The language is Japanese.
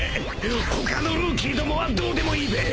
［他のルーキーどもはどうでもいいべ］